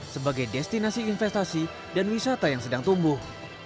sebagai destinasi investasi dan wisata yang sedang tumbuh